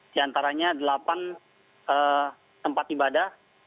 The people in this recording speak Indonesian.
di antaranya delapan tempat ibadah